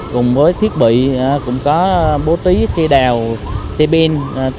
cùng với thiết bị cũng có bố trí xe đèo xe pin